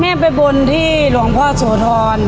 แม่ไปบนที่หลวงพ่อโสธร